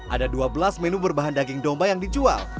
ada dua belas menu berbahan daging domba yang dijual